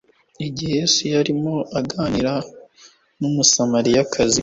Igihe Yesu yarimo aganira n'Umusamariyakazi